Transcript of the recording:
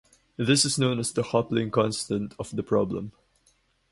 This is known as the Coupling constant of the problem.